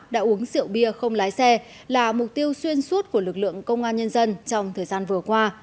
đã uống rượu bia không lái xe là mục tiêu xuyên suốt của lực lượng công an nhân dân trong thời gian vừa qua